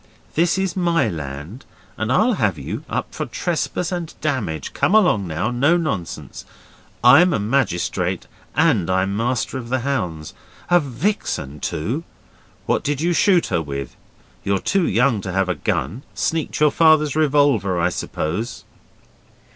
This is my land and I'll have you up for trespass and damage. Come along now, no nonsense! I'm a magistrate and I'm Master of the Hounds. A vixen, too! What did you shoot her with? You're too young to have a gun. Sneaked your Father's revolver, I suppose?